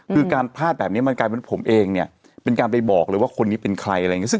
คือการพลาดแบบนี้มันกลายเป็นผมเองเนี่ยเป็นการไปบอกเลยว่าคนนี้เป็นใครอะไรอย่างนี้